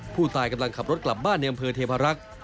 ผู้ตายกำลังขับรถกลับบ้านในอำเภอเทพารักษ์